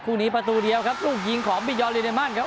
คู่นี้ประตูเดียวครับลูกยิงของบิยอลลีเดมันครับ